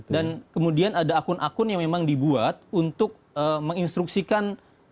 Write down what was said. dan kemudian ada akun akun yang memang dibuat untuk menginstruksikan